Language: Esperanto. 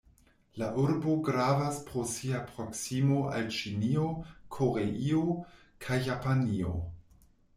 La urbo gravas pro sia proksimo al Ĉinio, Koreio kaj Japanio.